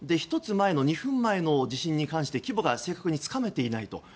１つ前の２分前の地震に関して規模が正確につかめていないと。